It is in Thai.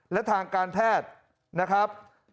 และทางการแพทย์นะครับ